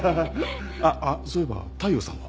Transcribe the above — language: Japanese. あっそういえば大陽さんは？